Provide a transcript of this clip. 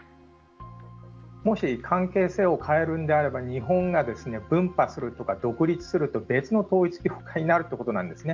もし関係性を変えるのであれば日本が分派するとか独立するとか別の統一教会になるということなんですね。